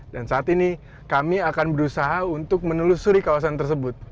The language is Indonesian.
dan saat ini kami akan berusaha untuk menelusuri kawasan tersebut